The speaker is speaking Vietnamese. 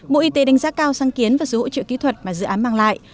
bộ y tế đánh giá cao sáng kiến và sự hỗ trợ kỹ thuật mà dự án mang lại